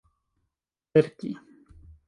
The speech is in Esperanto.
verki